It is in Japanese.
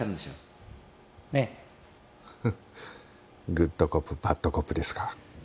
グッドコップバッドコップですか。